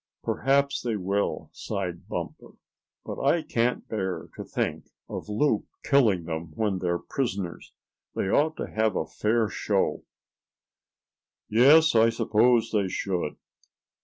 "Perhaps they will," sighed Bumper, "but I can't bear to think of Loup killing them when they're prisoners. They ought to have a fair show." "Yes, I suppose they should.